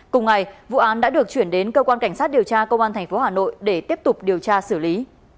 cùng ngày vụ án đã được chuyển đến cơ quan cảnh sát điều tra công an tp hà nội để tiếp tục điều tra xử lý